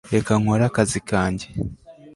reka nkore akazi kanjye